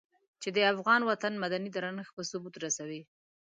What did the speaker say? چې د افغان وطن مدني درنښت په ثبوت رسوي.